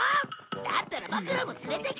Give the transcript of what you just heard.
だったらボクらも連れてけ！